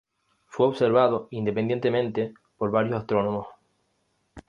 Fue observado independientemente por varios astrónomos.